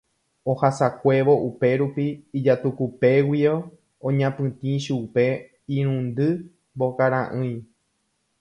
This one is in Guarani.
ohasakuévo upérupi ijatukupéguio oñapytĩ chupe irundy mbokara'ỹi.